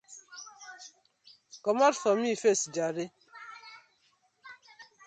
Komot for mi face jare.